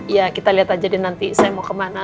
ya kita lihat aja deh nanti saya mau kemana